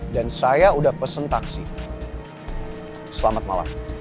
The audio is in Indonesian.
dan saya udah pesen taksi selamat malam